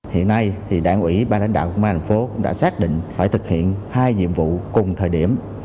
hiện nay thì đảng ủy ban lãnh đạo của bang thành phố đã xác định phải thực hiện hai nhiệm vụ cùng thời điểm